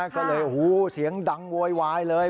ก็เลยเสียงดังโวยวายเลย